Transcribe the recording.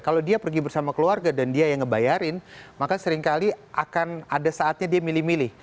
kalau dia pergi bersama keluarga dan dia yang ngebayarin maka seringkali akan ada saatnya dia milih milih